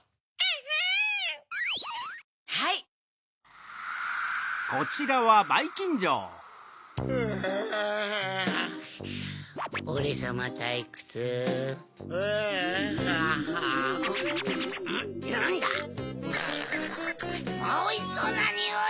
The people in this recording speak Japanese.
フガフガおいしそうなにおい！